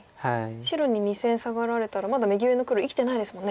白に２線サガられたらまだ右上の黒生きてないですもんね。